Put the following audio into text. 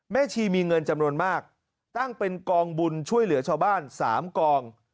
ชีมีเงินจำนวนมากตั้งเป็นกองบุญช่วยเหลือชาวบ้าน๓กอง